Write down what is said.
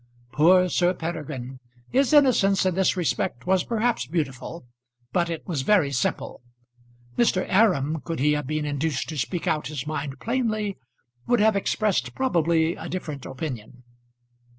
Poor Sir Peregrine! His innocence in this respect was perhaps beautiful, but it was very simple. Mr. Aram, could he have been induced to speak out his mind plainly, would have expressed, probably, a different opinion.